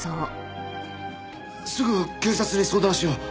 すぐ警察に相談しよう。